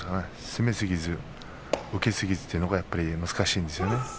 攻めすぎず、受けすぎずというのが難しいんですよね。